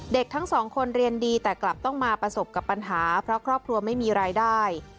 เด็กทั้งสองคนเรียนดีแต่กลับต้องมาประสบกับปัญหาเพราะครอบครัวไม่มีรายได้